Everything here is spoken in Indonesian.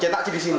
cetak di sini